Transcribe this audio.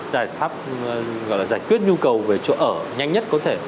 giải pháp gọi là giải quyết nhu cầu về chỗ ở nhanh nhất có thể